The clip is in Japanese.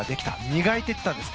磨いていったんです。